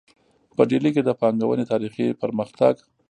په ډیلي کې د پانګونې تاریخي پرمختګ